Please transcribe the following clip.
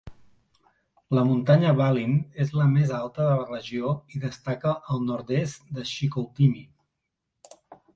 La muntanya Valin és la més alta de la regió i destaca al nord-est de Chicoutimi.